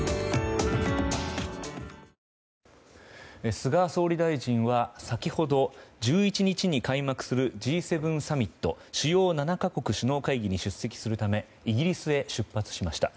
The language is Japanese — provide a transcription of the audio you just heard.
菅総理大臣は先ほど１１日に開幕するＧ７サミット・主要７か国首脳会議に出席するためイギリスへ出発しました。